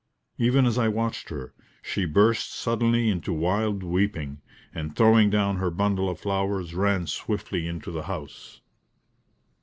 Even as I watched her, she burst suddenly into wild weeping, and throwing down her bundle of flowers ran swiftly into the house.